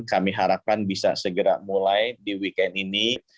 kami harapkan bisa segera mulai di weekend ini